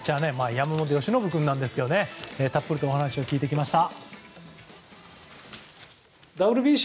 山本由伸君にたっぷりとお話を聞いてきました。